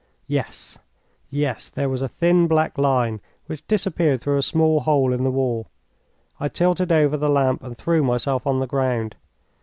Yes, yes, there was a thin black line, which disappeared through a small hole in the wall. I tilted over the lamp and threw myself on the ground.